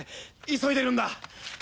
急いでるんだ。